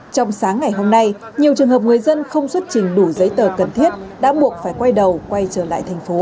trong sáng ngày hôm nay nhiều trường hợp người dân không xuất trình đủ giấy tờ cần thiết đã buộc phải quay đầu quay trở lại thành phố